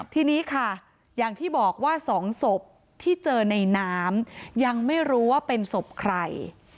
ทีนี้ค่ะอย่างที่บอกว่า๒ศพที่เจอในน้ำยังไม่รู้ว่าเป็นศพใคร